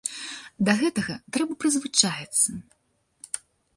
Да гэтага трэба прызвычаіцца.